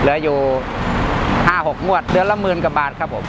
เหลืออยู่๕๖งวดเดือนละหมื่นกว่าบาทครับผม